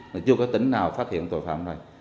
là chưa có tỉnh nào phát hiện tội phạm này